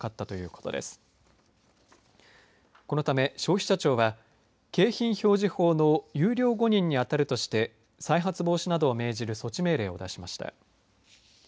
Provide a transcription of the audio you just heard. このため、消費者庁は景品表示法の優良誤認に当たるとして再発防止などを命じる措置命令を出しました。